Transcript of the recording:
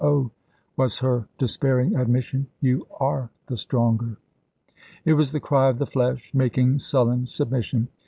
"Oh," was her despairing admission; "You are the stronger!" It was the cry of the flesh making sullen submission.